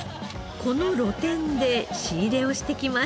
この露店で仕入れをしてきました。